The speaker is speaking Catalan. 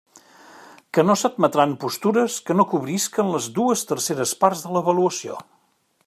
Que no s'admetran postures que no cobrisquen les dues terceres parts de l'avaluació.